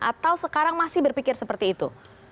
atau sekarang masih berpikir seperti itu